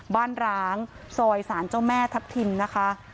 บ้านร้างซอยสารเจ้าแม่ทัพทิมนะคะ